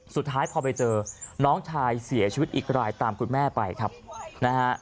สุดท้ายพอไปเจอน้องชายเสียชีวิตอีกรายตามคุณแม่ไปครับนะฮะ